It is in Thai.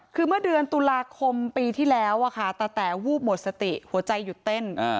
คือเมื่อเดือนตุลาคมปีที่แล้วตะแต๋ววูบหมดสติหัวใจหยุดเต้น